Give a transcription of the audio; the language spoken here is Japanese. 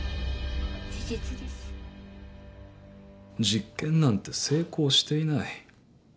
実験なんて成功していない